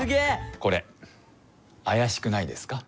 これあやしくないですか？